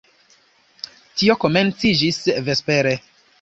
Tio komenciĝis vespere.